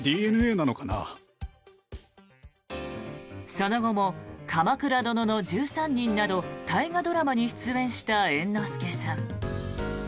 その後も「鎌倉殿の１３人」など大河ドラマに出演した猿之助さん。